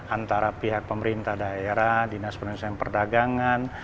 antara pihak pemerintah daerah dinas penelitian perdagangan